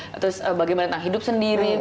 terus bagaimana tentang hidup sendiri